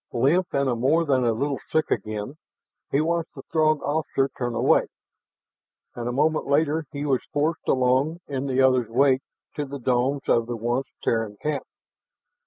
Limp, and more than a little sick again, he watched the Throg officer turn away. And a moment later he was forced along in the other's wake to the domes of the once Terran camp.